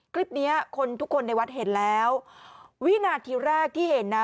คลิปเนี้ยคนทุกคนในวัดเห็นแล้ววินาทีแรกที่เห็นนะ